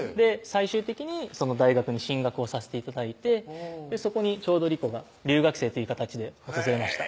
最終的にその大学に進学をさせて頂いてそこにちょうど理子が留学生という形で訪れました